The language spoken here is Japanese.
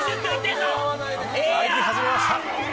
歩き始めました。